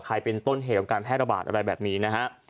เป็นต้นเหตุของการแพร่ระบาดอะไรแบบนี้นะฮะ